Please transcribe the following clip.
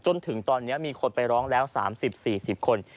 จนถึงตอนนี้มีคนไปร้องแล้ว๓๐๔๐คน